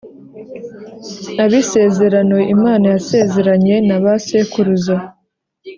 Ab isezerano imana yasezeranye na ba sekuruza